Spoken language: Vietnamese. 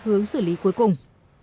hướng xử lý cuối cùng